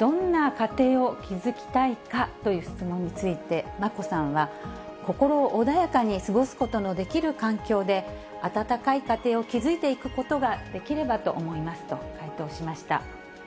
どんな家庭を築きたいかという質問について、眞子さんは、心穏やかに過ごすことのできる環境で、温かい家庭を築いていくことができればと思いますと回答しました。